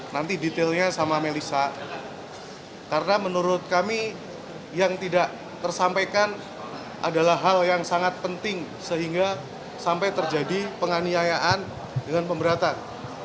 nanti detailnya sama melissa karena menurut kami yang tidak tersampaikan adalah hal yang sangat penting sehingga sampai terjadi penganiayaan dengan pemberatan